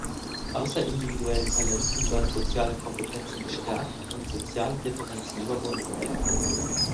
Außer individuellen Talenten sollen soziale Kompetenzen gestärkt und soziale Differenzen überwunden werden.